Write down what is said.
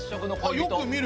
よく見る！